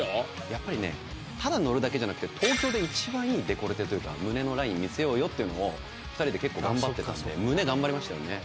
やっぱりねただ載るだけじゃなくて東京で１番いいデコルテというか胸のライン見せようよっていうのを２人で結構頑張ってたんで胸頑張りましたよね